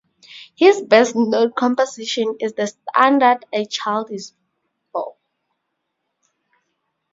His best-known composition is the standard "A Child Is Born".